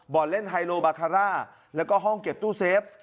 เล่นไฮโลบาคาร่าแล้วก็ห้องเก็บตู้เซฟ